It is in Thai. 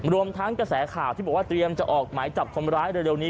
รวมทั้งกระแสข่าวที่บอกว่าเตรียมจะออกหมายจับคนร้ายเร็วนี้